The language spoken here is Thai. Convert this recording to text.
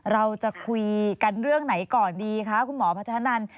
เราจะคุยกันเรื่องไหนก่อนดีคะคุณหมอพัฒนัน